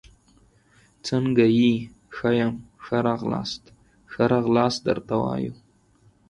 څنګه يي ، ښه يم، ښه راغلاست ، ښه راغلاست درته وایو